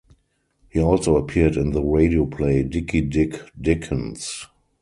He also appeared in the radio play "Dickie Dick Dickens".